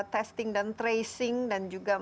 testing dan tracing dan juga